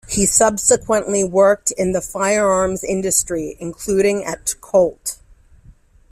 He subsequently worked in the firearms industry, including at Colt.